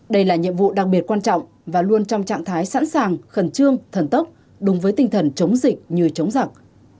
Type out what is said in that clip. đây là nhiệm vụ đặc biệt quan trọng và luôn trong trạng thái sẵn sàng khẩn trương thần tốc đúng với tinh thần chống dịch như chống giặc